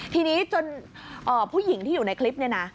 ทีนี้จนผู้หญิงที่อยู่ในคลิปนี้นะ